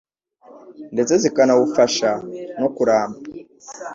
ndetse zikanawufasha no kuramba.